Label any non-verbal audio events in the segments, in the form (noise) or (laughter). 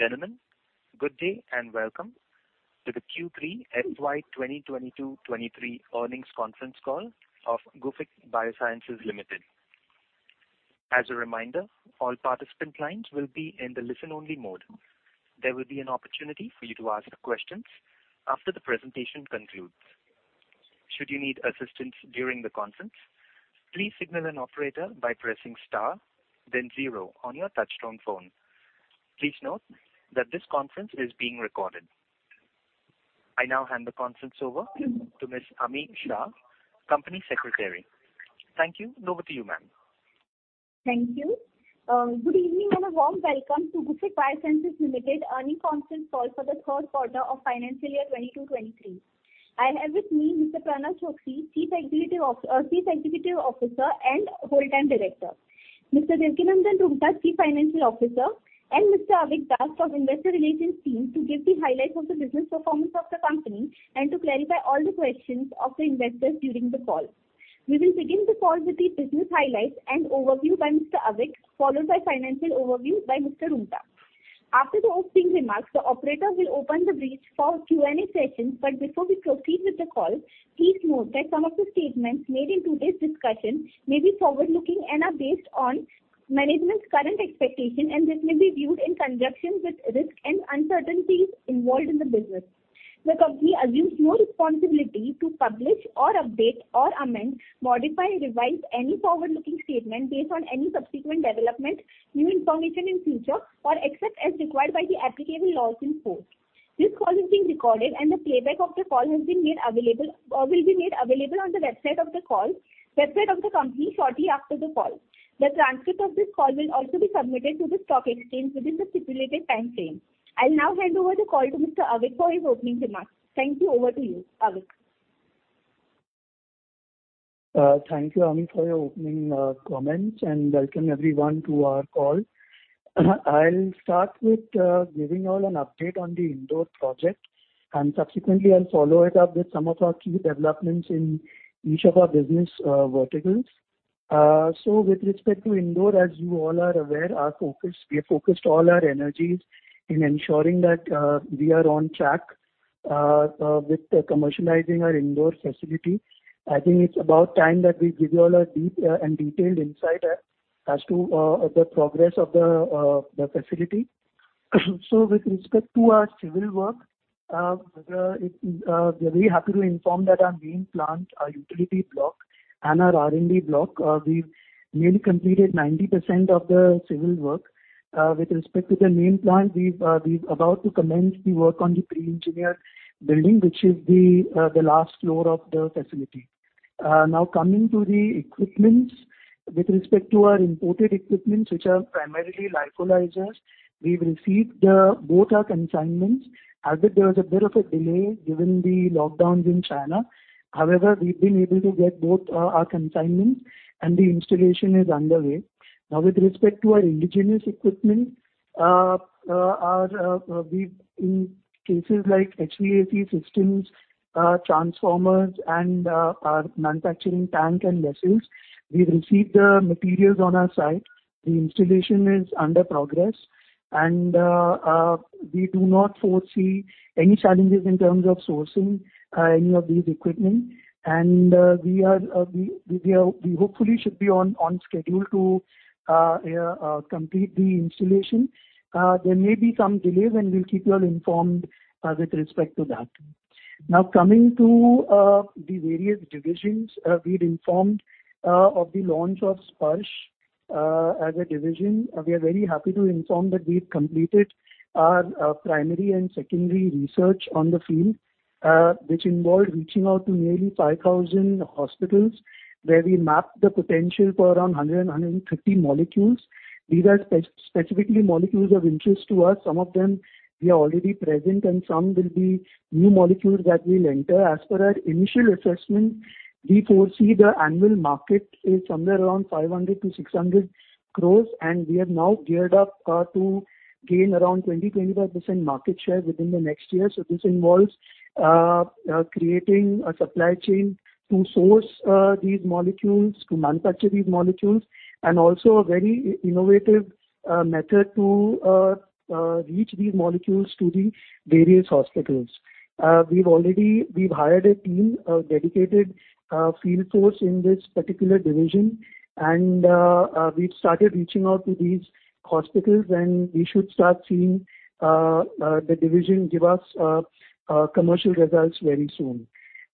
Ladies and gentlemen, good day and welcome to the Q3 FY 2022/2023 earnings conference call of Gufic Biosciences Limited. As a reminder, all participant lines will be in the listen-only mode. There will be an opportunity for you to ask questions after the presentation concludes. Should you need assistance during the conference, please signal an operator by pressing star then zero on your touchtone phone. Please note that this conference is being recorded. I now hand the conference over to Miss Ami Shah, Company Secretary. Thank you. Over to you, ma'am. Thank you. Good evening and a warm welcome to Gufic Biosciences Limited earnings conference call for the third quarter of financial year 2022/2023. I have with me Mr. Pranav Choksi, Chief Executive Officer and Whole Time Director, Mr. Devkinandan Roonghta, Chief Financial Officer, and Mr. Avik Das from Investor Relations team to give the highlights of the business performance of the company and to clarify all the questions of the investors during the call. We will begin the call with the business highlights and overview by Mr. Avik, followed by financial overview by Mr. Roonghta. After the opening remarks, the operator will open the bridge for Q&A session. Before we proceed with the call, please note that some of the statements made in today's discussion may be forward-looking and are based on management's current expectation, and this may be viewed in conjunction with risk and uncertainties involved in the business. The company assumes no responsibility to publish or update or amend, modify, revise any forward-looking statement based on any subsequent development, new information in future, or except as required by the applicable laws in force. This call is being recorded and the playback of the call has been made available or will be made available on the website of the company shortly after the call. The transcript of this call will also be submitted to the stock exchange within the stipulated timeframe. I'll now hand over the call to Mr. Avik for his opening remarks. Thank you. Over to you, Avik. Thank you, Ami, for your opening comments, and welcome everyone to our call. I'll start with giving you all an update on the Indore project, and subsequently I'll follow it up with some of our key developments in each of our business verticals. With respect to Indore, as you all are aware, we have focused all our energies in ensuring that we are on track with commercializing our Indore facility. I think it's about time that we give you all a deep and detailed insight as to the progress of the facility. With respect to our civil work, we are very happy to inform that our main plant, our utility block, and our R&D block, we've nearly completed 90% of the civil work. With respect to the main plant, we've about to commence the work on the pre-engineered building, which is the last floor of the facility. Now coming to the equipment. With respect to our imported equipment, which are primarily lyophilizers, we've received both our consignments. However, there was a bit of a delay given the lockdowns in China. However, we've been able to get both our consignments and the installation is underway. Now, with respect to our indigenous equipment, our, in cases like HVAC systems, transformers and our manufacturing tank and vessels, we've received the materials on our site. The installation is under progress. We do not foresee any challenges in terms of sourcing any of these equipment. We hopefully should be on schedule to complete the installation. There may be some delay, and we'll keep you all informed with respect to that. Now, coming to the various divisions. We'd informed of the launch of Sparsh as a division. We are very happy to inform that we've completed our primary and secondary research on the field, which involved reaching out to nearly 5,000 hospitals, where we mapped the potential for around 150 molecules. These are specifically molecules of interest to us. Some of them we are already present and some will be new molecules that we'll enter. As per our initial assessment, we foresee the annual market is 500 crore-600 crore. We have now geared up to gain around 20%-25% market share within the next year. This involves creating a supply chain to source these molecules, to manufacture these molecules, and also a very innovative method to reach these molecules to the various hospitals. We've hired a team, a dedicated field force in this particular division. We've started reaching out to these hospitals, and we should start seeing the division give us commercial results very soon.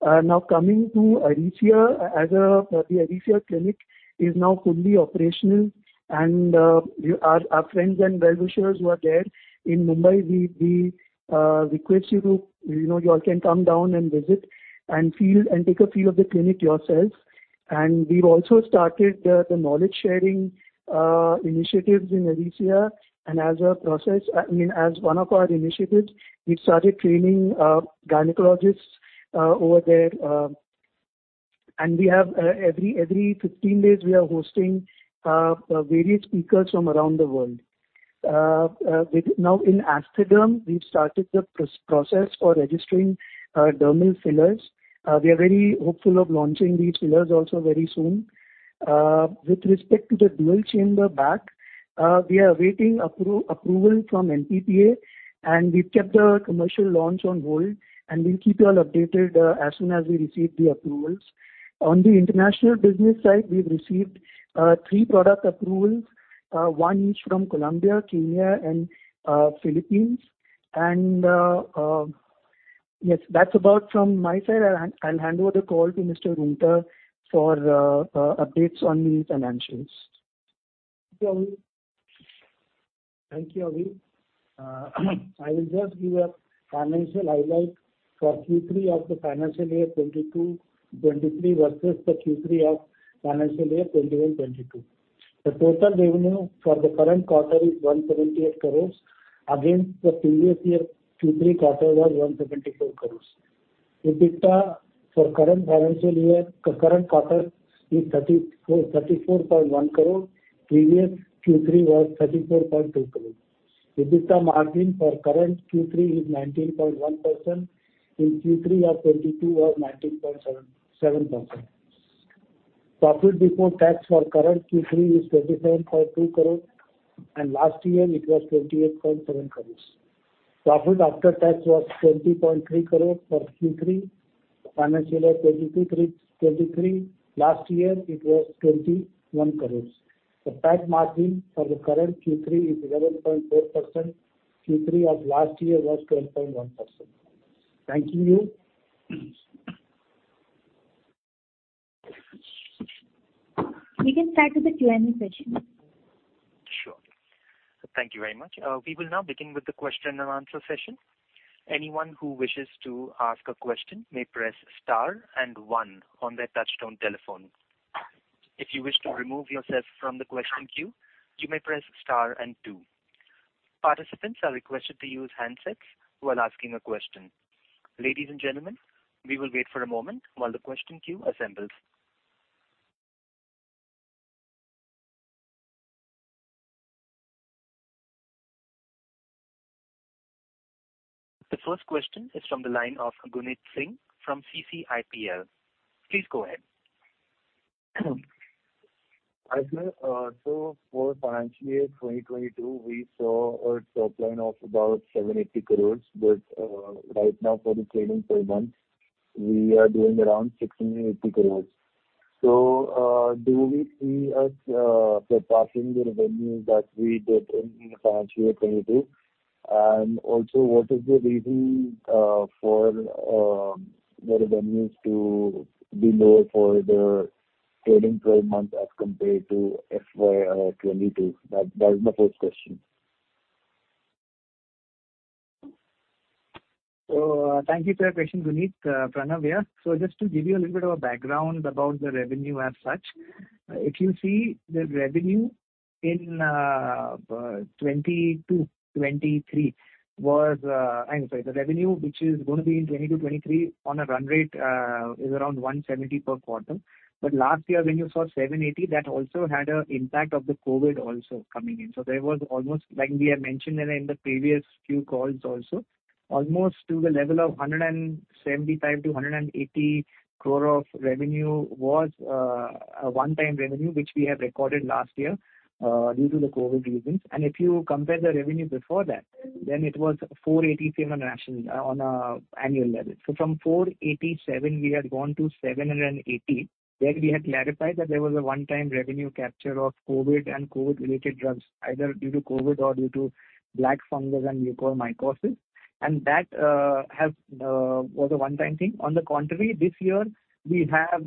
Now coming to Aricia. As the Aricia clinic is now fully operational, and our friends and well-wishers who are there in Mumbai, we request you to, you know, you all can come down and visit and feel and take a feel of the clinic yourselves. We've also started the knowledge sharing initiatives in Aricia. As a process, I mean, as one of our initiatives, we've started training gynecologists over there. We have every 15 days, we are hosting various speakers from around the world. Now in Aesthaderm, we've started the process for registering dermal fillers. We are very hopeful of launching these fillers also very soon. With respect to the dual chamber bag. We are awaiting approval from NPPA, and we've kept the commercial launch on hold, and we'll keep you all updated as soon as we receive the approvals. On the international business side, we've received three product approvals, one each from Colombia, Kenya, and Philippines. Yes, that's about from my side. I'll hand over the call to Mr. Roonghta for updates on the financials. Thank you, Avik. I will just give a financial highlight for Q3 of the financial year 2022/2023 versus the Q3 of financial year 2021/2022. The total revenue for the current quarter is 178 crores against the previous year Q3 quarter was 174 crores. EBITDA for current financial year, current quarter is 34.1 crore. Previous Q3 was 34.2 crore. EBITDA margin for current Q3 is 19.1%. In Q3 of 2022 was 19.7%. Profit before tax for current Q3 is 27.2 crore, last year it was 28.7 crores. Profit after tax was 20.3 crore for Q3 financial year 2022 through 2023. Last year it was INR 21 crores. The PAT margin for the current Q3 is 11.4%. Q3 of last year was 10.1%. Thank you. We can start with the Q&A session. Sure. Thank you very much. We will now begin with the question and answer session. Anyone who wishes to ask a question may press star and one on their touchtone telephone. If you wish to remove yourself from the question queue you may press star and two. Participants are requested to use handsets while asking a question. Ladies and gentlemen, we will wait for a moment while the question queue assembles. The first question is from the line of Gunit Singh from CCIPL. Please go ahead. Hi, sir. For financial year 2022, we saw a top line of about 780 crores. Right now for the trading 12 months, we are doing around 680 crores. Do we see us surpassing the revenue that we did in financial year 2022? What is the reason for the revenues to be lower for the trading 12 months as compared to FY 2022? That is my first question. Thank you for your question, Gunit. Pranav here. Just to give you a little bit of a background about the revenue as such, if you see the revenue in 2022, 2023 was... I'm sorry. The revenue which is gonna be in 2022/2023 on a run rate is around 170 per quarter. Last year when you saw 780, that also had a impact of the COVID also coming in. There was almost, like we have mentioned in the previous few calls also, almost to the level of 175 crore to 180 crore of revenue was a one-time revenue which we have recorded last year due to the COVID reasons. If you compare the revenue before that, it was 487 on an annual on a annual level. From 487 we had gone to 780, where we had clarified that there was a one-time revenue capture of COVID and COVID-related drugs, either due to COVID or due to black fungus and Mucormycosis, and that has was a one-time thing. On the contrary, this year we have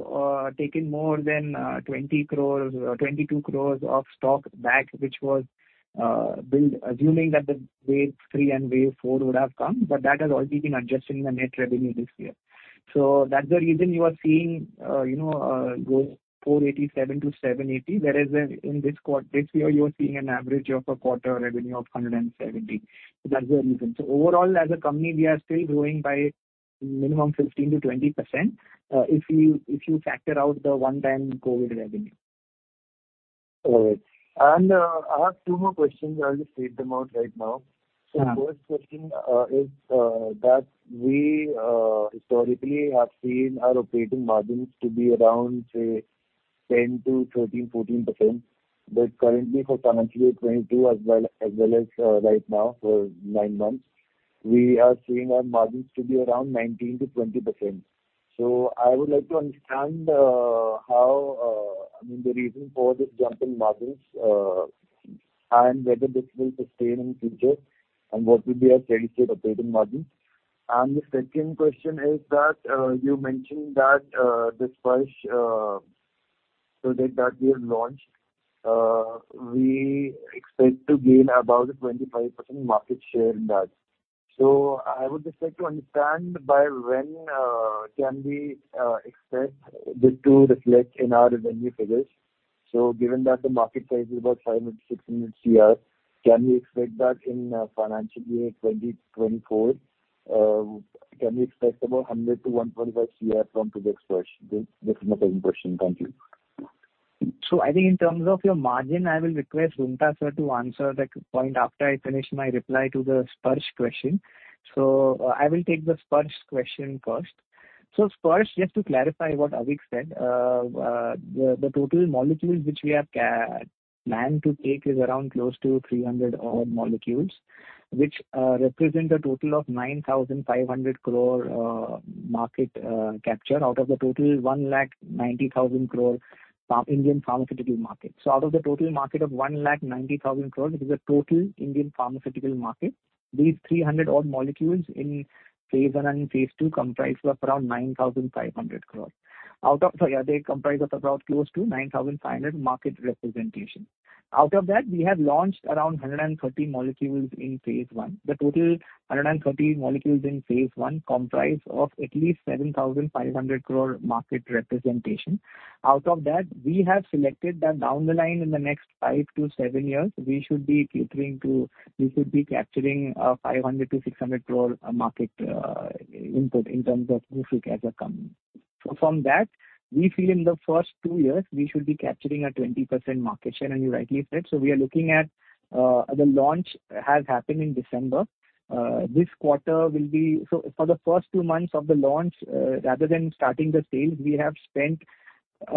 taken more than 20 crore, 22 crore of stock back, which was build assuming that the wave three and wave four would have come, but that has already been adjusted in the net revenue this year. That's the reason you are seeing, you know, go 487 to 780, whereas in this year you are seeing an average of a quarter revenue of 170. That's the reason. Overall, as a company, we are still growing by minimum 15%-20%, if you, if you factor out the one-time COVID revenue. All right. I have two more questions. I'll just read them out right now. Yeah. First question is that we historically have seen our operating margins to be around, say, 10%-13%, 14%. Currently for financial year 2022 as well, as well as right now for nine months, we are seeing our margins to be around 19%-20%. I would like to understand how, I mean, the reason for this jump in margins, and whether this will sustain in future and what will be a steady state operating margin. The second question is that you mentioned that the Sparsh product that we have launched, we expect to gain about a 25% market share in that. I would just like to understand by when can we expect this to reflect in our revenue figures? Given that the market size is about 500-600 CR, can we expect that in financial year 2024? Can we expect about 100-125 CR from today's Sparsh? This is my second question. Thank you. I think in terms of your margin, I will request Roonghta sir to answer that point after I finish my reply to the Sparsh question. I will take the Sparsh question first. First, just to clarify what Avik said, the total molecules which we have planned to take is around close to 300 odd molecules, which represent a total of 9,500 crore market capture out of the total 190,000 crore Indian pharmaceutical market. Out of the total market of 190,000 crore, which is the total Indian pharmaceutical market, these 300 odd molecules in phase I and phase II comprise of around 9,500 crore. They comprise of about close to 9,500 market representation. Out of that, we have launched around 130 molecules in phase one. The total 130 molecules in phase one comprise of at least 7,500 crore market representation. Out of that, we have selected that down the line in the next five-seven years, we should be catering to, we should be capturing 500 crore-600 crore market input in terms of Gufic as a company. From that, we feel in the first two years we should be capturing a 20% market share, and you rightly said. We are looking at, the launch has happened in December. This quarter will be. For the first two months of the launch, rather than starting the sales, we have spent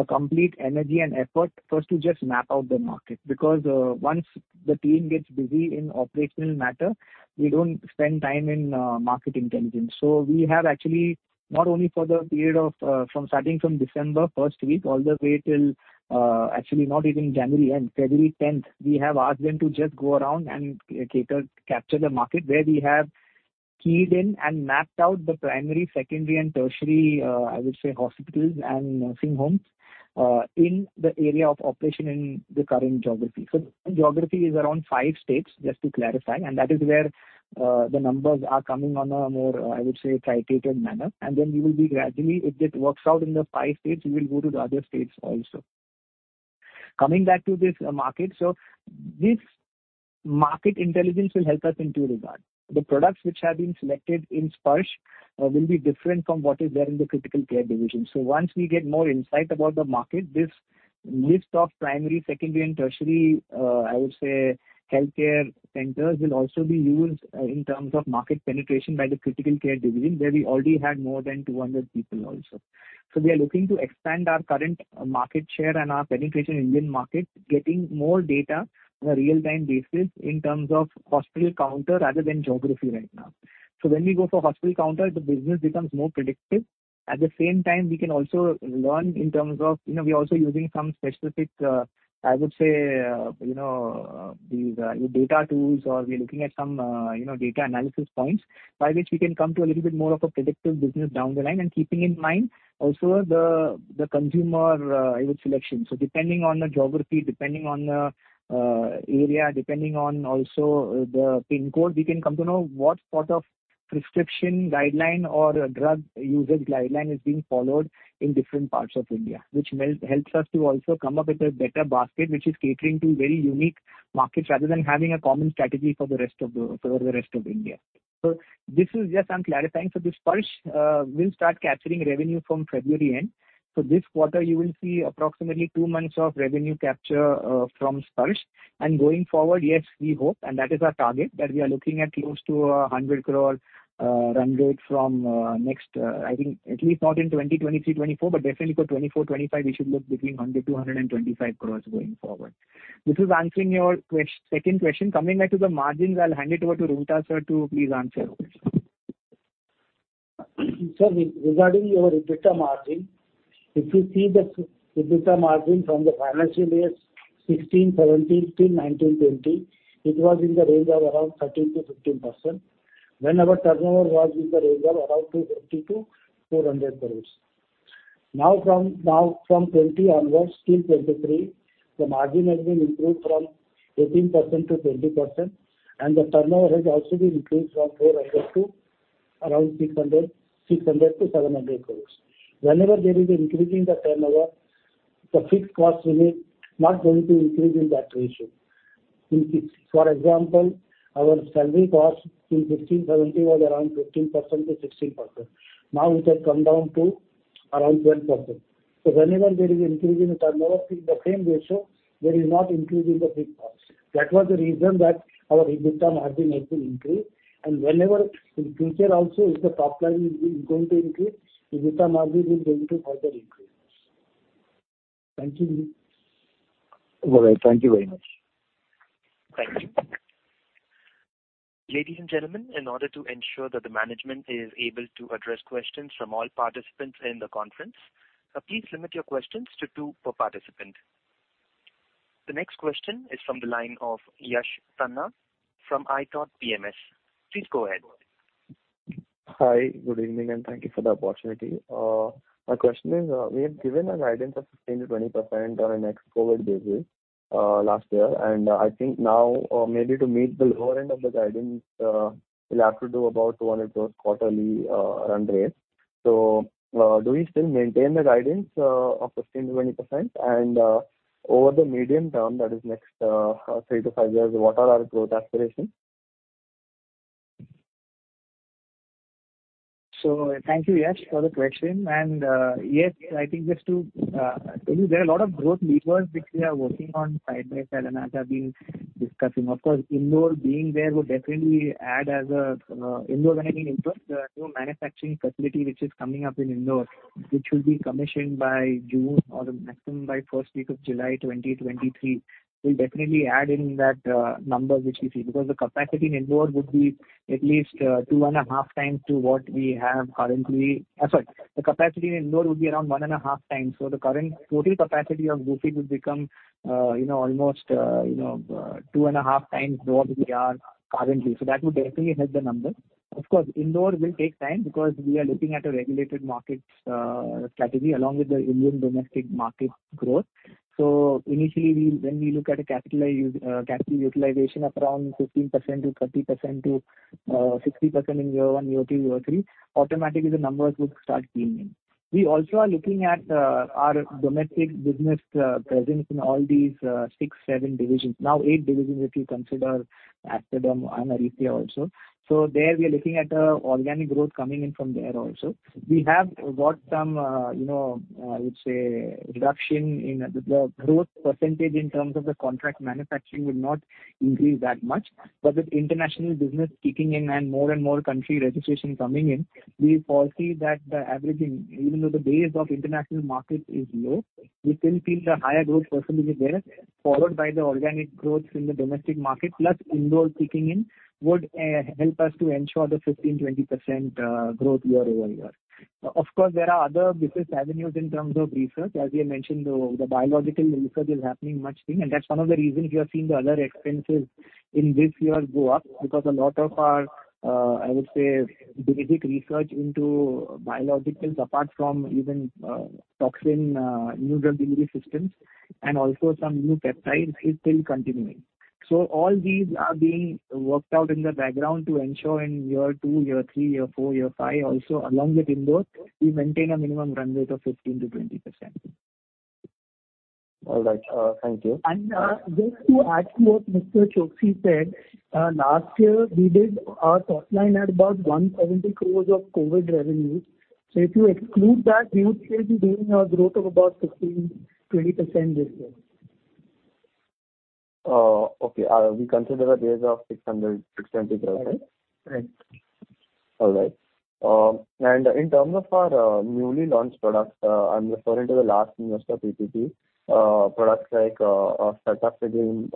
complete energy and effort first to just map out the market. Once the team gets busy in operational matter, we don't spend time in market intelligence. We have actually not only for the period of from starting from December first week all the way till actually not even January end, February 10th, we have asked them to just go around and capture the market where we have keyed in and mapped out the primary, secondary, and tertiary, I would say hospitals and nursing homes in the area of operation in the current geography. The geography is around five states, just to clarify, that is where the numbers are coming on a more, I would say, curated manner. Then we will be gradually, if it works out in the five states, we will go to the other states also. Coming back to this market. This market intelligence will help us in two regard. The products which have been selected in Sparsh will be different from what is there in the critical care division. Once we get more insight about the market, this list of primary, secondary and tertiary, I would say healthcare centers will also be used in terms of market penetration by the critical care division, where we already have more than 200 people also. We are looking to expand our current market share and our penetration in Indian market, getting more data on a real-time basis in terms of hospital counter rather than geography right now. When we go for hospital counter, the business becomes more predictive. At the same time we can also learn in terms of, we're also using some specific data tools or we are looking at some data analysis points by which we can come to a little bit more of a predictive business down the line. Keeping in mind also the consumer selection. Depending on the geography, depending on the area, depending on also the PIN code, we can come to know what sort of prescription guideline or drug usage guideline is being followed in different parts of India. Which helps us to also come up with a better basket, which is catering to very unique markets rather than having a common strategy for the rest of India. This is just I'm clarifying. The Sparsh will start capturing revenue from February end. This quarter you will see approximately two months of revenue capture from Sparsh, and going forward, yes, we hope, and that is our target, that we are looking at close to an 100 crore run rate from next, I think at least not in 2023, 2024, but definitely for 2024, 2025 we should look between 100 crore-125 crore going forward. This is answering your second question. Coming back to the margins, I'll hand it over to Roonghta Sir to please answer. Sir, regarding your EBITDA margin, if you see the EBITDA margin from the financial years 2016-2017 till 2019-2020, it was in the range of around 13%-15% when our turnover was in the range of around 250-400 crores. Now from 2020 onwards till 2023, the margin has been improved from 18%-20%, and the turnover has also been increased from 400 to around 600-700 crores. Whenever there is an increase in the turnover, the fixed cost will be not going to increase in that ratio. For example, our salary cost in 2015-2017 was around 15%-16%. Now it has come down to around 10%. Whenever there is increase in the turnover in the same ratio, there is not increase in the fixed cost. That was the reason that our EBITDA margin has been increased. Whenever in future also if the top line is going to increase, EBITDA margin is going to further increase. Thank you. All right. Thank you very much. Thank you. Ladies and gentlemen, in order to ensure that the management is able to address questions from all participants in the conference, please limit your questions to 2 per participant. The next question is from the line of Yash Tanna from iThought PMS. Please go ahead. Hi. Good evening, and thank you for the opportunity. My question is, we have given a guidance of 15%-20% on a next COVID basis last year. I think now, maybe to meet the lower end of the guidance, we'll have to do about 200 crores quarterly run rate. Do we still maintain the guidance of 15%-20%? Over the medium term, that is next three-five years, what are our growth aspirations? Thank you, Yash, for the question. Yes, I think just to tell you there are a lot of growth levers which we are working on side by side and as I've been discussing. Of course, Indore being there would definitely add as a Indore, when I mean Indore, the new manufacturing facility which is coming up in Indore, which will be commissioned by June or the maximum by first week of July 2023, will definitely add in that number which we see. Because the capacity in Indore would be at least two and a half times to what we have currently. I'm sorry. The capacity in Indore would be around one and a half times. The current total capacity of Gufic would become, you know, almost, you know, two and a half times more than we are currently. That would definitely help the number. Of course, Indore will take time because we are looking at a regulated markets strategy along with the Indian domestic market growth. Initially when we look at a capacity utilization of around 15%-30% to 60% in year one, year two, year three, automatically the numbers would start coming in. We also are looking at our domestic business presence in all these six, seven divisions, now eight divisions if you consider Aesthaderm and Arete also. There, we are looking at organic growth coming in from there also. We have got some, you know, I would say reduction in the growth percentage in terms of the contract manufacturing would not increase that much. With international business kicking in and more and more country registration coming in, we foresee that the averaging, even though the base of international markets is low, we still feel the higher growth percentage is there, followed by the organic growth in the domestic market, plus Indore kicking in would help us to ensure the 15%-20% growth year-over-year. Of course, there are other business avenues in terms of research. As we have mentioned, the biological research is happening much thing. That's one of the reasons you are seeing the other expenses in this year go up because a lot of our, I would say basic research into biologicals, apart from even toxin, new drug delivery systems and also some new peptides is still continuing. All these are being worked out in the background to ensure in year two, year three, year four, year five also along with Indore, we maintain a minimum run rate of 15%-20%. All right. thank you. Just to add to what Mr. Choksi said, last year, we did our top line at about 170 crores of COVID revenue. If you exclude that, we would still be doing a growth of about 15%-20% this year. Okay. We consider the base of 600-670 crores, right? Right. All right. In terms of our newly launched products, I'm referring to the last investor PPT, products like Cetirizine,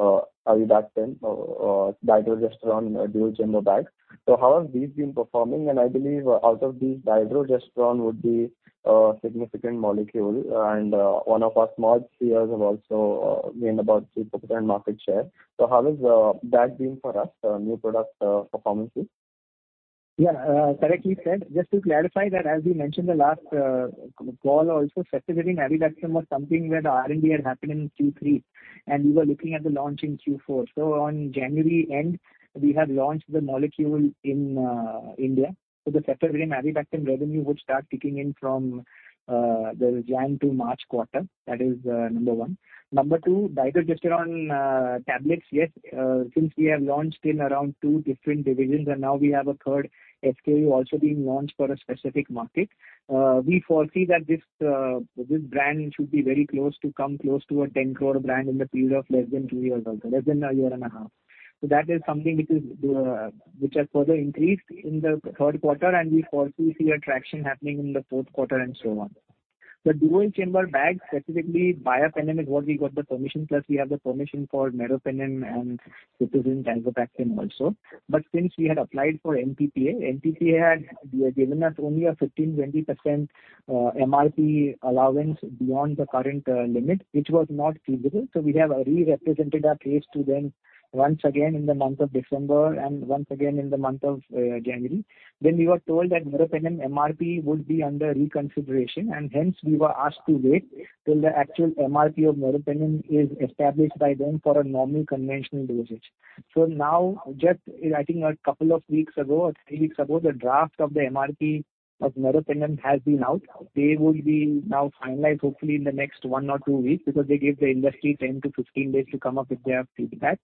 Amlodipine, Dydrogesterone dual chamber bag. How have these been performing? I believe out of these, Dydrogesterone would be a significant molecule. One of our smart CRs have also written about 3% market share. How has that been for us, new product performances? Yeah. Correctly said. Just to clarify that, as we mentioned the last call also, Cetirizine Amlodipine was something where the R&D had happened in Q3, and we were looking at the launch in Q4. On January end, we have launched the molecule in India. The Cetirizine Amlodipine revenue would start kicking in from the January to March quarter. That is number one. Number two, Dydrogesterone tablets, yes, since we have launched in around 2 different divisions and now we have a 3rd SKU also being launched for a specific market, we foresee that this brand should be very close to come close to an 10 crore brand in the period of less than 2 years or less than a year and a half. That is something which is, which has further increased in the third quarter, and we foresee a traction happening in the fourth quarter and so on. The dual chamber bag, specifically Biapenem is what we got the permission, plus we have the permission for meropenem and Piperacillin and Tazobactam also. Since we had applied for NPPA had given us only a 15%, 20% MRP allowance beyond the current limit, which was not feasible. We have re-represented our case to them once again in the month of December and once again in the month of January. We were told that meropenem MRP would be under reconsideration, and hence we were asked to wait till the actual MRP of meropenem is established by them for a normal conventional dosage. Now just, I think a couple of weeks ago or three weeks ago, the draft of the MRP of meropenem has been out. They would be now finalized hopefully in the next one or two weeks because they gave the industry 10-15 days to come up with their feedback.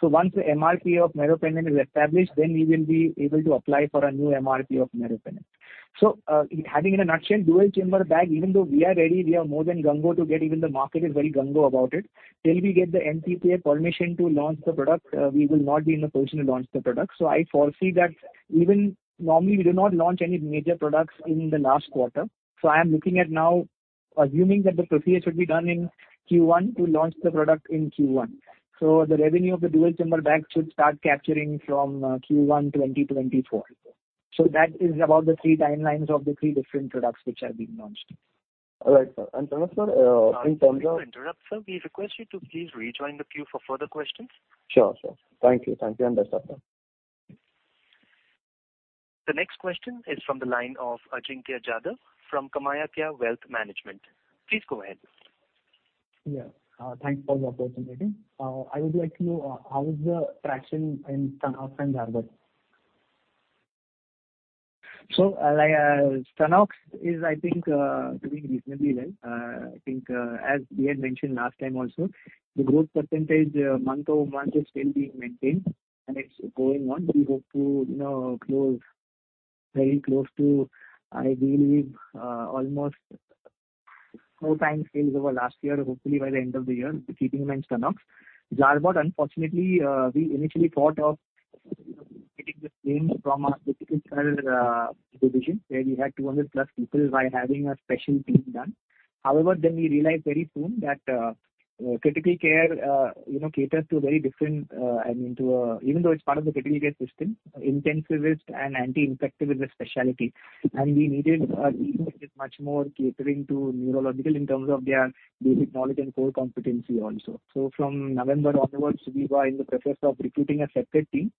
Once the MRP of meropenem is established, then we will be able to apply for a new MRP of meropenem. having in a nutshell, dual chamber bag, even though we are ready, we are more than gung ho to get even the market is very gung ho about it. Till we get the NPPA permission to launch the product, we will not be in a position to launch the product. I foresee that even normally we do not launch any major products in the last quarter. I am looking at now assuming that the process should be done in Q1 to launch the product in Q1. The revenue of the dual chamber bag should start capturing from Q1 2024. That is about the three timelines of the three different products which are being launched. All right, sir. Pranav sir, in terms of- Sorry to interrupt, sir. We request you to please rejoin the queue for further questions. Sure, sure. Thank you. Thank you. Understood, sir. The next question is from the line of Ajinkya Jadhav from KamayaKya Wealth Management. Please go ahead. Yeah. Thanks for the opportunity. I would like to know, how is the traction in Stenox and Darbar? Like Stenox is, I think, doing reasonably well. I think, as we had mentioned last time also, the growth percentage month-over-month is still being maintained and it's going on. We hope to, you know, close very close to ideally, almost four times sales over last year, hopefully by the end of the year, keeping in mind Stenox. Zarbot unfortunately, we initially thought of getting the same from our critical care division, where we had 200+ people by having a special team done. However, we realized very soon that, you know, critical care, you know, caters to a very different, I mean. Even though it's part of the critical care system, intensivist and anti-infective is a specialty. We needed a team which is much more catering to neurological in terms of their basic knowledge and core competency also. From November onwards, we were in the process of recruiting a separate team,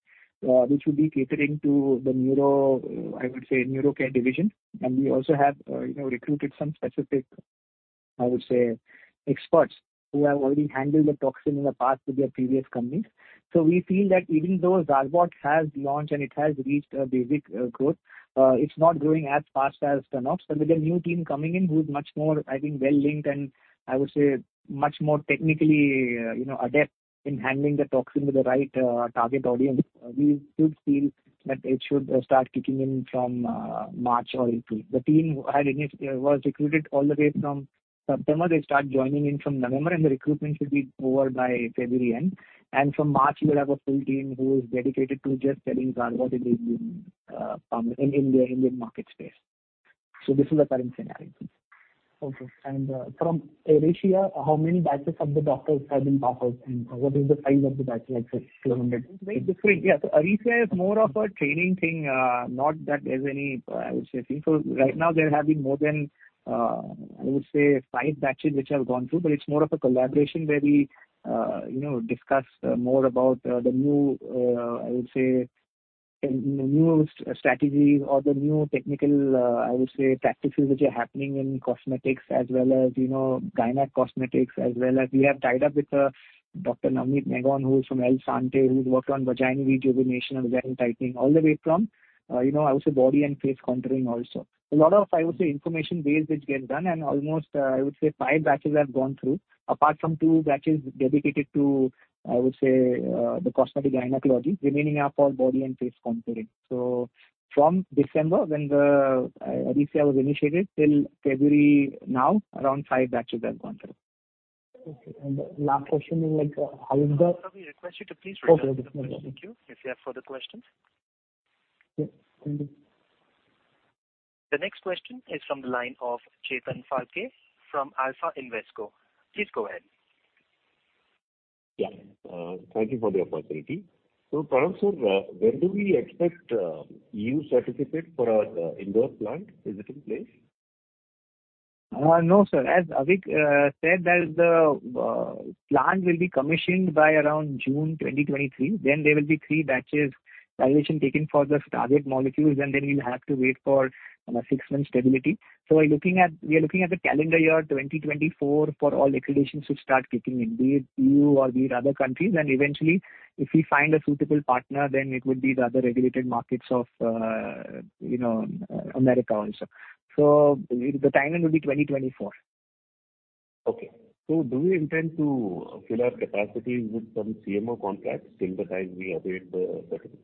which would be catering to the neuro, I would say, neuro care division. We also have, you know, recruited some specific, I would say, experts who have already handled the toxin in the past with their previous companies. We feel that even though Zarbot has launched and it has reached a basic, growth, it's not growing as fast as Stenox. With a new team coming in who is much more, I think, well linked and I would say much more technically, you know, adept in handling the toxin with the right target audience, we do feel that it should start kicking in from March or April. The team was recruited all the way from September. They start joining in from November, and the recruitment should be over by February end. From March, we'll have a full team who is dedicated to just selling Zarbot in India, Indian market space. This is the current scenario. Okay. From Aricia, how many batches of the doctors have been passed and what is the size of the batch, like say few hundred? Yeah. Aricia is more of a training thing, not that there's any, I would say. Right now there have been more than, I would say, five batches which have gone through, but it's more of a collaboration where we, you know, discuss more about the new, I would say, new strategies or the new technical, I would say, practices which are happening in cosmetics as well as, you know, Gyne cosmetics as well as we have tied up with Dr. Namit Mehrotra, who is from Elle Sante who's worked on vaginal rejuvenation and vaginal tightening all the way from, you know, I would say, body and face contouring also. A lot of, I would say, information base which gets done, and almost, I would say, five batches have gone through. Apart from two batches dedicated to, I would say, the cosmetic gynecology, remaining are for body and face contouring. From December when the Aricia was initiated till February now, around five batches have gone through. Okay. Last question is like how is the- Sir, we request you to. Okay. Redistribute the question queue if you have further questions. Yeah. Thank you. The next question is from the line of Chetan Phalke from Alpha Invesco. Please go ahead. Yeah. Thank you for the opportunity. Pranav sir, when do we expect EU certificate for our Indore plant? Is it in place? No, sir. As Avik said that the plant will be commissioned by around June 2023, then there will be three batches validation taken for the target molecules, and then we'll have to wait for, you know, six months stability. We are looking at the calendar year 2024 for all accreditations to start kicking in, be it EU or be it other countries. Eventually, if we find a suitable partner, then it would be the other regulated markets of, you know, America also. The timeline will be 2024. Okay. Do we intend to fill our capacity with some CMO contracts same time we await the certificate?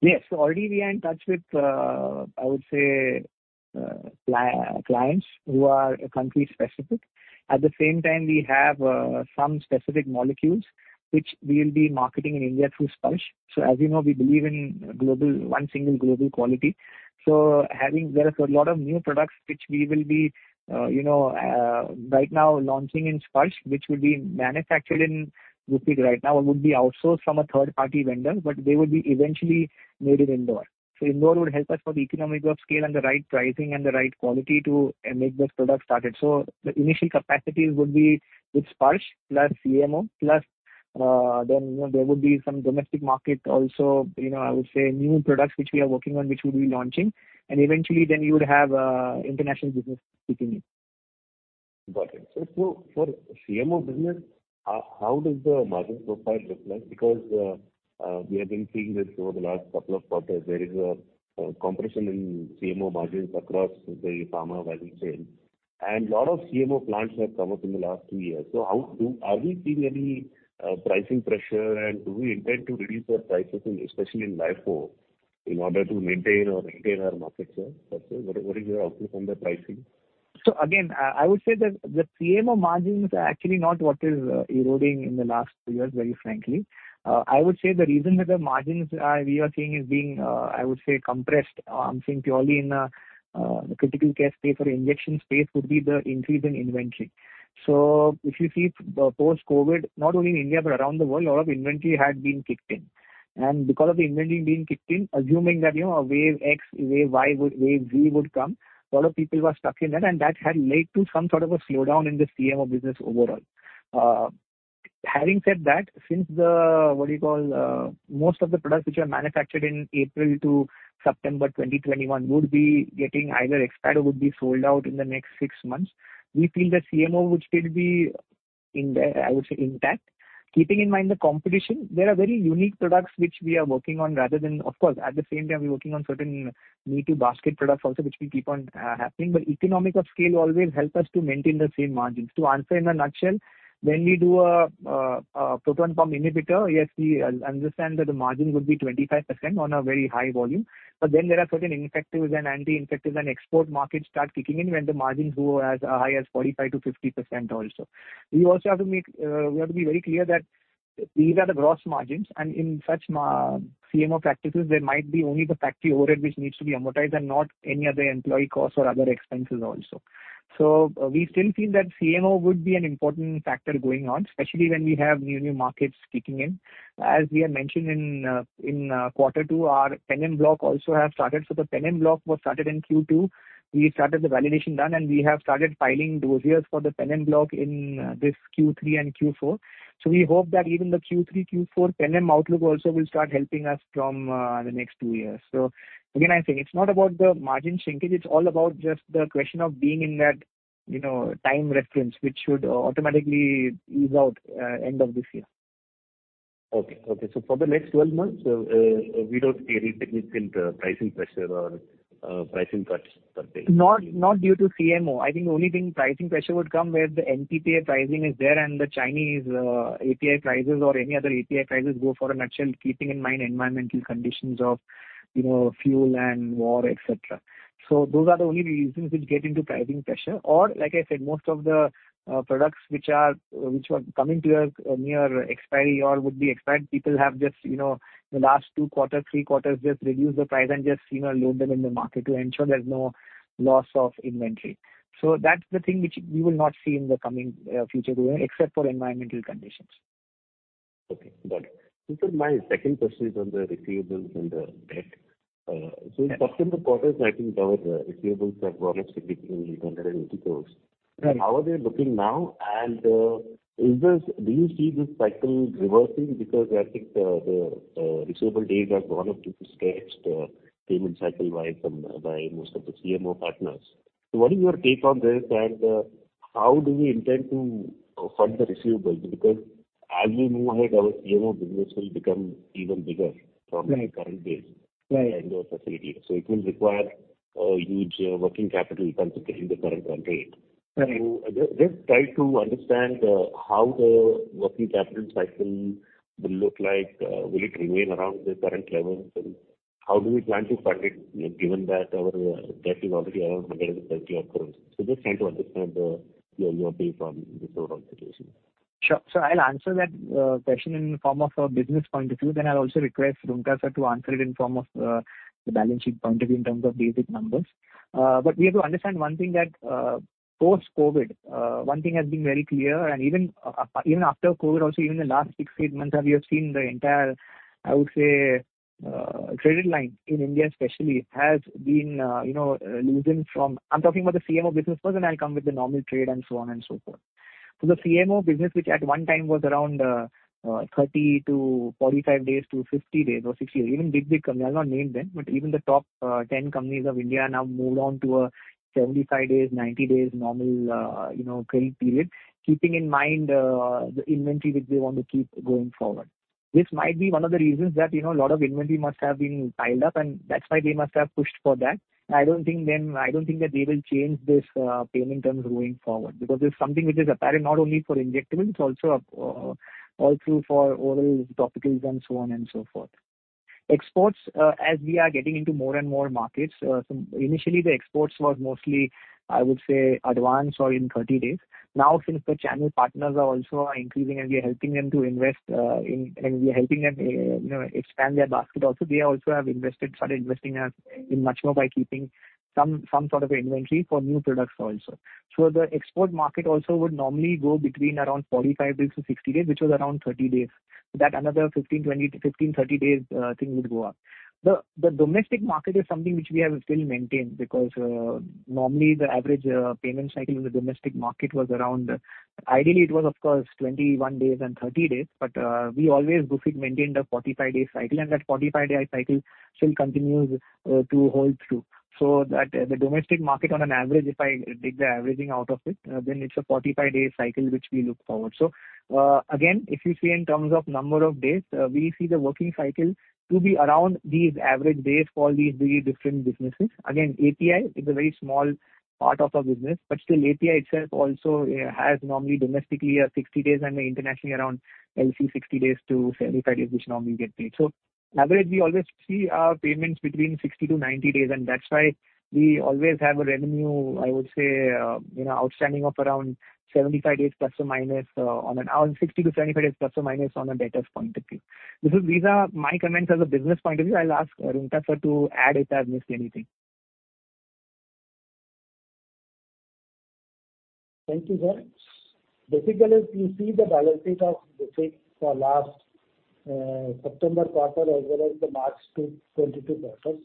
Yes. Already we are in touch with, I would say, clients who are country-specific. At the same time, we have some specific molecules which we'll be marketing in India through Sparsh. As you know, we believe in global, one single global quality. There are a lot of new products which we will be, you know, right now launching in Sparsh, which will be manufactured in Belagavi right now and would be outsourced from a third-party vendor, but they would be eventually made in Indore. Indore would help us for the economics of scale and the right pricing and the right quality to make those products started. The initial capacities would be with Sparsh plus CMO plus, then, you know, there would be some domestic market also, you know, I would say new products which we are working on which we'll be launching. Eventually then you would have, international business kicking in. Got it. For CMO business, how does the margin profile look like? We have been seeing this over the last couple of quarters, there is a compression in CMO margins across the pharma value chain, and a lot of CMO plants have come up in the last two years. Are we seeing any pricing pressure and do we intend to reduce our prices in, especially in LIFO, in order to maintain or retain our market share? What is your outlook on the pricing? Again, I would say that the CMO margins are actually not what is eroding in the last two years, very frankly. I would say the reason that the margins are, we are seeing is being compressed, I'm saying purely in the critical care space or injection space would be the increase in inventory. If you see post-COVID, not only in India but around the world, a lot of inventory had been kicked in. Because of the inventory being kicked in, assuming that, you know, a wave X, wave Y would, wave Z would come, a lot of people were stuck in that, and that had led to some sort of a slowdown in the CMO business overall. Having said that, since the, what do you call, most of the products which are manufactured in April to September 2021 would be getting either expired or would be sold out in the next six months. We feel the CMO would still be in the, I would say, intact. Keeping in mind the competition, there are very unique products which we are working on rather than. Of course, at the same time, we're working on certain me-too basket products also which we keep on having. Economics of scale always help us to maintain the same margins. To answer in a nutshell, when we do a proton pump inhibitor, yes, we understand that the margin would be 25% on a very high volume. There are certain infectives and anti-infectives and export markets start kicking in when the margins go as high as 45%-50% also. We also have to be very clear that these are the gross margins. In such CMO practices, there might be only the factory overhead which needs to be amortized and not any other employee costs or other expenses also. We still feel that CMO would be an important factor going on, especially when we have new markets kicking in. As we have mentioned in Q2, our Penem block also have started. The Penem block was started in Q2. We started the validation done, and we have started filing dossiers for the Penem block in this Q3 and Q4. We hope that even the Q3, Q4 Penem outlook also will start helping us from the next two years. Again, I think it's not about the margin shrinkage. It's all about just the question of being in that, you know, time reference, which should automatically ease out end of this year. Okay. Okay. For the next 12 months, we don't see any significant pricing pressure or pricing cuts per se. Not due to CMO. I think the only thing pricing pressure would come where the NPPA pricing is there and the Chinese API prices or any other API prices go for a nutshell, keeping in mind environmental conditions of, you know, fuel and war, et cetera. Those are the only reasons which get into pricing pressure. Like I said, most of the products which were coming to a near expiry or would be expired, people have just, you know, the last two quarters, three quarters, just reduced the price and just, you know, load them in the market to ensure there's no loss of inventory. That's the thing which we will not see in the coming future going, except for environmental conditions. Okay. Got it. This is my second question on the receivables and the debt. Yes. In September quarter, I think our receivables have gone up significantly to INR 180 crores. Right. How are they looking now? Do you see this cycle reversing? I think the receivable days have gone up due to stretched payment cycle by most of the CMO partners. What is your take on this? How do we intend to fund the receivables? As we move ahead, our CMO business will become even bigger. Right. the current base. Right. Those facilities. It will require a huge working capital constantly in the current context. Right. Just try to understand how the working capital cycle will look like. Will it remain around the current levels? How do we plan to fund it, given that our debt is already around 130 odd crores. Just trying to understand your view on this whole situation. Sure. I'll answer that question in form of a business point of view. I'll also request Roonghta sir to answer it in form of the balance sheet point of view in terms of basic numbers. We have to understand one thing that post-COVID, one thing has been very clear, and even after COVID also, even the last six, eight months, as we have seen the entire, I would say, credit line in India especially has been, you know, loosened from... I'm talking about the CMO business first, I'll come with the normal trade and so on and so forth. The CMO business, which at one time was around 30 to 45 days to 50 days or 60 days, even big companies, I'll not name them, but even the top 10 companies of India now moved on to a 75 days, 90 days normal, you know, credit period, keeping in mind the inventory which they want to keep going forward. This might be one of the reasons that, you know, a lot of inventory must have been piled up, and that's why they must have pushed for that. I don't think that they will change this payment terms going forward, because it's something which is apparent not only for injectables, it's also all through for orals, topicals and so on and so forth. Exports, as we are getting into more and more markets, initially the exports was mostly, I would say, advance or in 30 days. Since the channel partners are also increasing and we are helping them to invest and we are helping them, you know, expand their basket also, they also have started investing as in much more by keeping some sort of inventory for new products also. The export market also would normally go between around 45 days to 60 days, which was around 30 days. That another 15, 20 to 15, 30 days, thing would go up. The domestic market is something which we have still maintained because normally the average payment cycle in the domestic market was around, ideally it was of course 21 days and 30 days, but we always, Gufic, maintained a 45-day cycle, and that 45-day cycle still continues to hold through. The domestic market on an average, if I take the averaging out of it, then it's a 45-day cycle which we look forward. Again, if you see in terms of number of days, we see the working cycle to be around these average days for these three different businesses. API is a very small part of our business, but still API itself also has normally domestically, 60 days and internationally around LC 60-75 days which normally get paid. Average, we always see our payments between 60 to 90 days, and that's why we always have a revenue, you know, outstanding of around 75 days plus or minus on a 60 to 75 days plus or minus on a debtors point of view. These are my comments as a business point of view. I'll ask Roonghta sir to add if I've missed anything. Thank you, sir. Basically, if you see the balance sheet of Bhushik for last September quarter as well as the March 2022 quarter,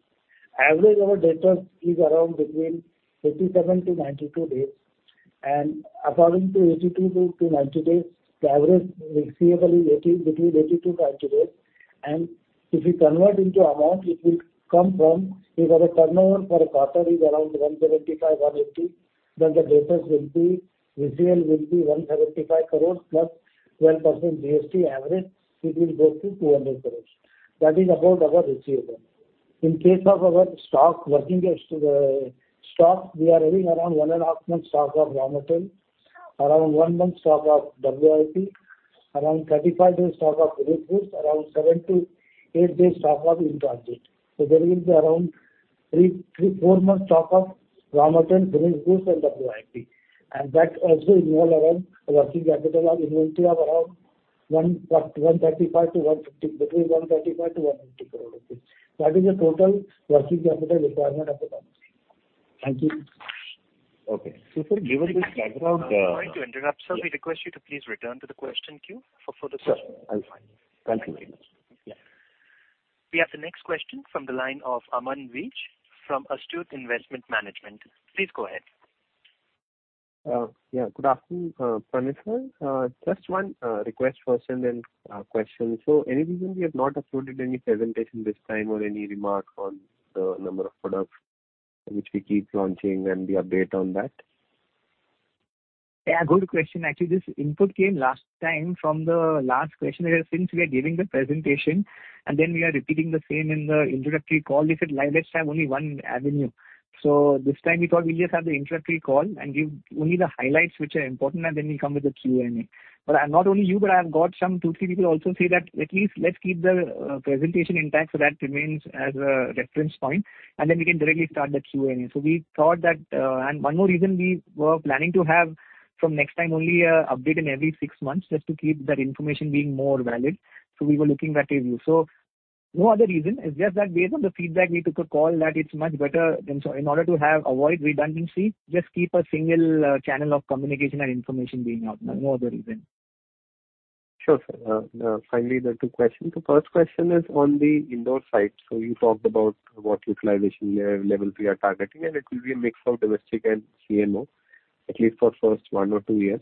average our debtors is around between 87-92 days. According to 82-90 days, the average receivable is between 82-90 days. If you convert into amount, it will come from, if our turnover for a quarter is around 175 crores, 180 crores, then the receivable will be 175 crores plus 10% GST average, it will go to 200 crores. That is about our receivable. In case of our stock, we are having around one and a half month stock of raw material, around 1 month stock of WIP, around 35 days stock of finished goods, around seven-eight days stock of in transit. There will be around Three, four months stock of raw material, finished goods and WIP. That also involve around working capital or inventory of around 135 crore-150 crore, between 135 crore to 150 crore rupees. That is the total working capital requirement at the moment. Thank you. Okay. Sir, given this background? Sorry to interrupt, sir. We request you to please return to the question queue for. Sure. Thank you very much. Yeah. We have the next question from the line of Aman Vij from Astute Investment Management. Please go ahead. Yeah, good afternoon, Pranav Choksi. Just one request first and then question. Any reason we have not uploaded any presentation this time or any remark on the number of products which we keep launching and the update on that? Yeah, good question. Actually, this input came last time from the last question. Since we are giving the presentation, and then we are repeating the same in the introductory call, if it like let's have only one avenue. This time we thought we'll just have the introductory call and give only the highlights which are important, and then we'll come with the Q&A. Not only you, but I have got some two, three people also say that at least let's keep the presentation intact, so that remains as a reference point, and then we can directly start the Q&A. We thought that. One more reason we were planning to have from next time only update in every six months just to keep that information being more valid, so we were looking that way too. No other reason, it's just that based on the feedback, we took a call that it's much better than so. In order to have avoid redundancy, just keep a single channel of communication and information being out. No, no other reason. Sure, sir. Finally, the two questions. The first question is on the Indore site. You talked about what utilization level we are targeting, and it will be a mix of domestic and CMO, at least for first one or two years,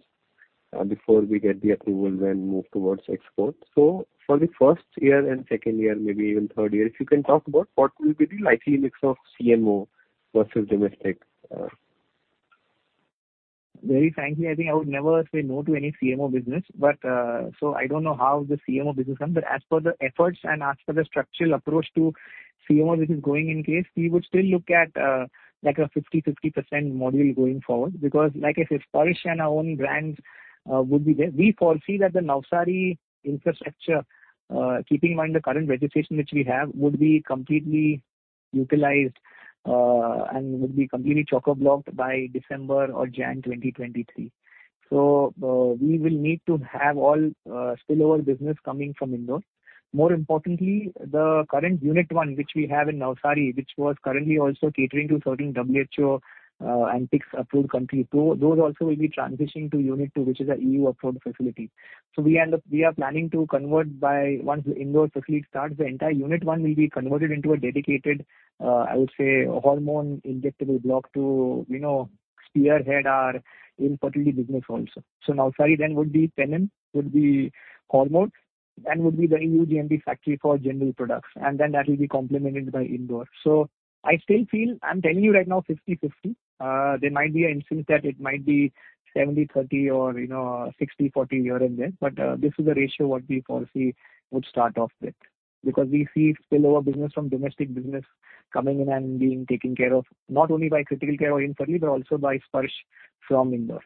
before we get the approval then move towards export. For the first year and second year, maybe even third year, if you can talk about what will be the likely mix of CMO versus domestic. Very frankly, I think I would never say no to any CMO business. I don't know how the CMO business comes, but as per the efforts and as per the structural approach to CMO business going in case, we would still look at, like a 50/50% model going forward. Like I said, Sparsh and our own brands, would be there. We foresee that the Navsari infrastructure, keeping in mind the current registration which we have, would be completely utilized, and would be completely choker blocked by December or Jan 2023. We will need to have all, spillover business coming from Indore. More importantly, the current unit one which we have in Navsari, which was currently also catering to certain WHO, and PIC/S approved country. Those also will be transitioning to unit two, which is a EU approved facility. We are planning to convert by once the Indore facility starts, the entire unit one will be converted into a dedicated, I would say hormone injectable block to, you know, spearhead our infertility business also. Navsari then would be Penem, would be hormone, and would be the EU GMP factory for general products, and then that will be complemented by Indore. I still feel I'm telling you right now 50/50. There might be instances that it might be 70/30 or, you know, 60/40 here and there, but this is the ratio what we foresee would start off with. We see spillover business from domestic business coming in and being taken care of, not only by Critical Care or Infertility, but also by Sparsh from Indore.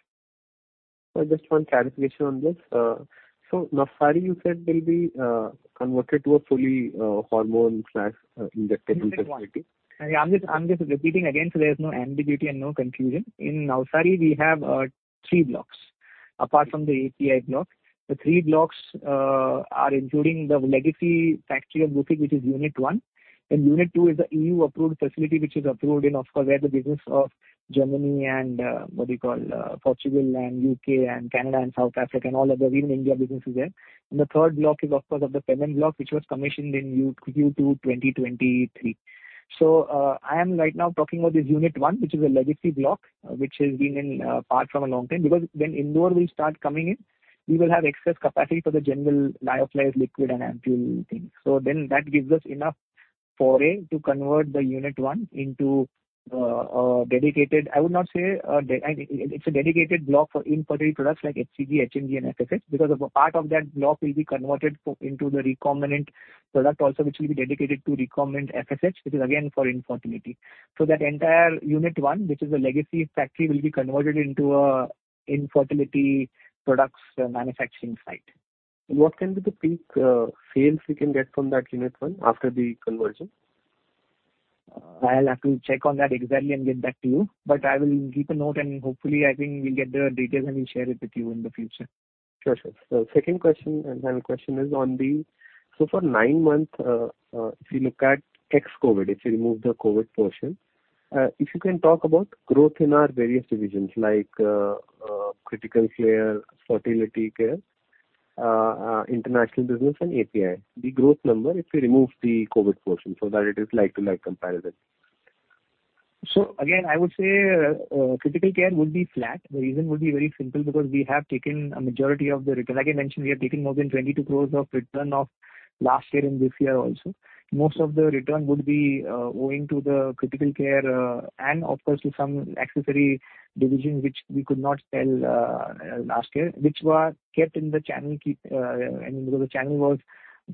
Just one clarification on this. Navsari you said will be converted to a fully hormone/injectable facility. Unit one. I'm just repeating again, there's no ambiguity and no confusion. In Navsari we have three blocks. Apart from the API block, the three blocks are including the legacy factory of, (inaudible) which is unit one. Unit two is a EU approved facility which is approved in, of course, where the business of Germany and, what do you call, Portugal and U.K. and Canada and South Africa and all other, even India business is there. The third block is of course of the Penem block, which was commissioned in Q2 2023. I am right now talking about this unit one, which is a legacy block, which has been in part from a long time. When Indore will start coming in, we will have excess capacity for the general lyophilized liquid and ampoule things. That gives us enough foray to convert the unit one into dedicated. I would not say, It's a dedicated block for infertility products like HCG, HMG and FSH. Because of a part of that block will be converted into the recombinant product also, which will be dedicated to recombinant FSH, which is again for infertility. That entire unit one, which is a legacy factory, will be converted into a infertility products manufacturing site. What can be the peak, sales we can get from that unit one after the conversion? I'll have to check on that exactly and get back to you. I will keep a note and hopefully, I think we'll get the details, and we'll share it with you in the future. Sure, sure. For nine months, if you look at ex-COVID, if you remove the COVID portion, if you can talk about growth in our various divisions like Critical Care, Fertility Care, international business and API. The growth number, if you remove the COVID portion so that it is like to like comparison. Again, I would say Critical Care would be flat. The reason would be very simple, because we have taken a majority of the return. Like I mentioned, we have taken more than 22 crores of return of last year and this year also. Most of the return would be owing to the Critical Care, and of course to some accessory division which we could not sell last year, which were kept in the channel keep, I mean, because the channel was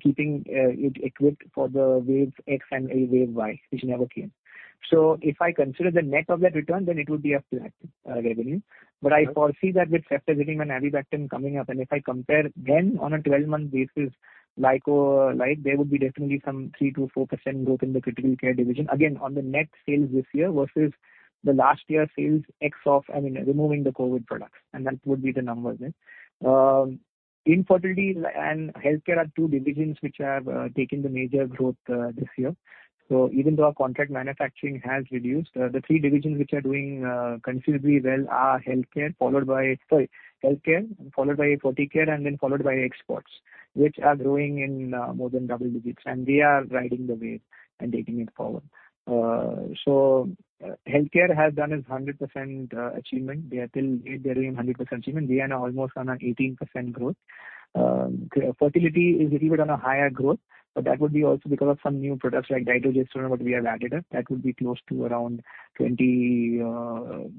keeping it equipped for the wave X and a wave Y, which never came. If I consider the net of that return, then it would be a flat revenue. I foresee that with Ceftazidime and Avibactam coming up, and if I compare then on a 12-month basis, like there would be definitely some 3%-4% growth in the Critical Care division. On the net sales this year versus the last year sales ex of, I mean, removing the COVID products, and that would be the numbers then. Infertility and healthcare are two divisions which have taken the major growth this year. Even though our contract manufacturing has reduced, the three divisions which are doing considerably well are healthcare, followed by... Sorry. Healthcare, followed by Ferticare, and then followed by exports, which are growing in more than double digits, and they are riding the wave and taking it forward. Healthcare has done its 100% achievement. They are still delivering 100% achievement. We are now almost on an 18% growth. Fertility is delivered on a higher growth, that would be also because of some new products like, (inaudible) what we have added up. That would be close to around 23%-25%.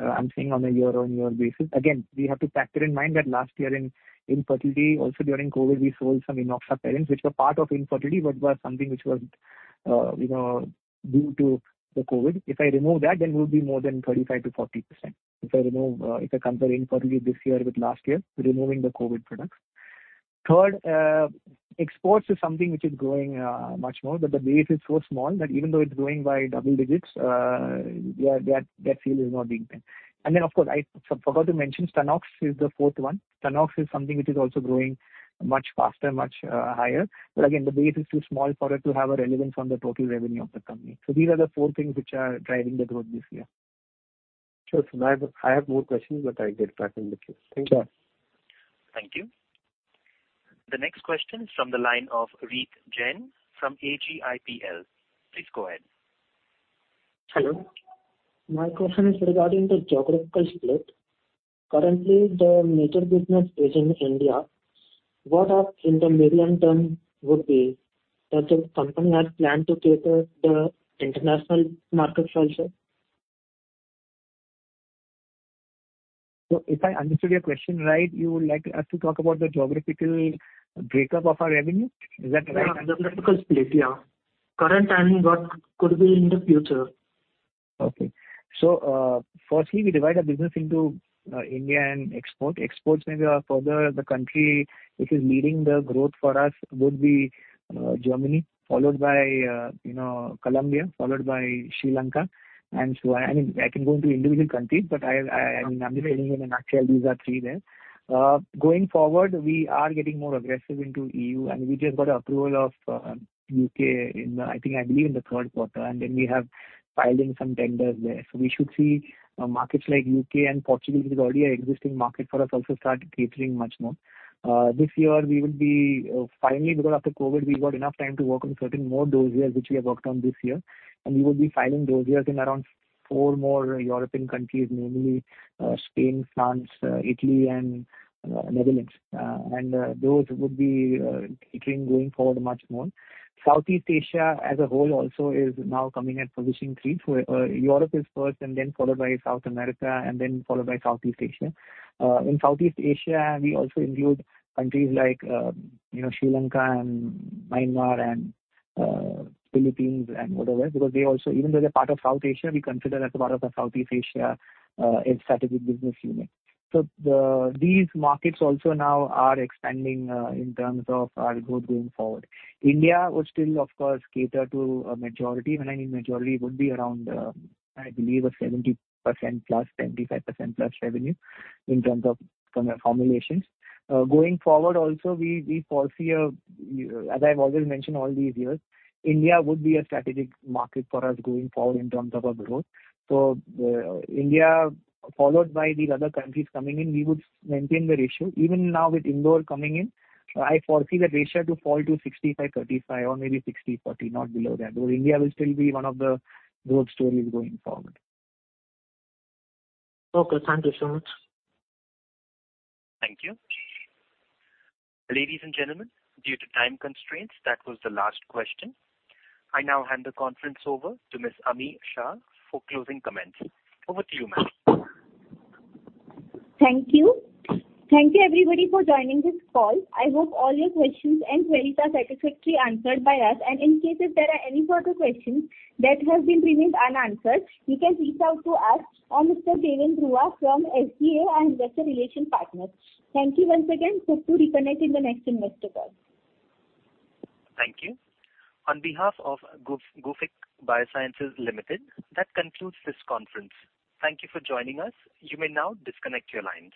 I'm saying on a year-on-year basis. We have to factor in mind that last year in fertility, also during COVID, we sold some Enoxaparin, which were part of infertility, but was something which was, you know, due to the COVID. If I remove that, we'll be more than 35%-40%. If I remove, if I compare infertility this year with last year, removing the COVID products. Third, exports is something which is growing, much more, but the base is so small that even though it's growing by double digits, yeah, that field is not being paid. Of course, I forgot to mention, Stenox is the fourth one. Stenox is something which is also growing much faster, much, higher. Again, the base is too small for it to have a relevance on the total revenue of the company. These are the four things which are driving the growth this year. Sure. I have more questions, but I'll get back in the queue. Thank you. Sure. Thank you. The next question is from the line of Runjhun Jain from HGIPL. Please go ahead. Hello. My question is regarding the geographical split. Currently, the major business is in India. What are in the medium term would be that the company has planned to cater the international markets also? If I understood your question right, you would like us to talk about the geographical breakup of our revenue. Is that right? Yeah. Geographical split, yeah. Current and what could be in the future. Okay. Firstly, we divide our business into India and export. Exports maybe are further the country which is leading the growth for us would be Germany, followed by, you know, Colombia, followed by Sri Lanka. I mean, I can go into individual countries, but I mean, I'm just telling you in a nutshell these are three there. Going forward, we are getting more aggressive into EU. We just got approval of U.K., I think, I believe in the third quarter. We have filed in some tenders there. We should see markets like U.K. and Portugal, which is already an existing market for us, also start catering much more. This year we will be finally because after COVID, we've got enough time to work on certain more dossiers which we have worked on this year, and we will be filing dossiers in around four more European countries, namely, Spain, France, Italy and Netherlands. Those would be catering going forward much more. Southeast Asia as a whole also is now coming at positioning three. Europe is first, and then followed by South America, and then followed by Southeast Asia. In Southeast Asia, we also include countries like, you know, Sri Lanka and Myanmar and Philippines and whatever, because they also. Even though they're part of South Asia, we consider that part of the Southeast Asia as strategic business unit. These markets also now are expanding in terms of our growth going forward. India would still, of course, cater to a majority. When I mean majority, it would be around, I believe a 70%+ revenue in terms of formulations. Going forward also we foresee, as I've always mentioned all these years, India would be a strategic market for us going forward in terms of our growth. India followed by these other countries coming in, we would maintain the ratio. Even now with Indore coming in, I foresee the ratio to fall to 65, 35 or maybe 60, 40, not below that, though India will still be one of the growth stories going forward. Okay. Thank you so much. Thank you. Ladies and gentlemen, due to time constraints, that was the last question. I now hand the conference over to Miss Ami Shah for closing comments. Over to you, ma'am. Thank you. Thank you everybody for joining this call. I hope all your questions and queries are satisfactorily answered by us. In case if there are any further questions that have been remained unanswered, you can reach out to us or Mr. Avik Das from SGA and Investor Relation Partners. Thank you once again. Hope to reconnect in the next investor call. Thank you. On behalf of Gufic Biosciences Limited, that concludes this conference. Thank you for joining us. You may now disconnect your lines.